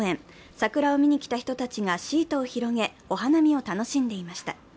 桜を見に来た人たちがシートを広げお花見を楽しんでいました。